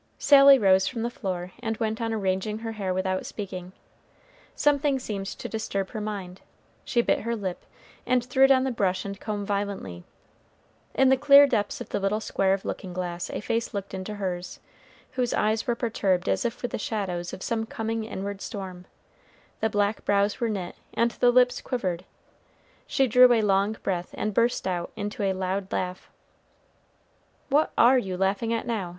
Sally rose from the floor and went on arranging her hair without speaking. Something seemed to disturb her mind. She bit her lip, and threw down the brush and comb violently. In the clear depths of the little square of looking glass a face looked into hers, whose eyes were perturbed as if with the shadows of some coming inward storm; the black brows were knit, and the lips quivered. She drew a long breath and burst out into a loud laugh. "What are you laughing at now?"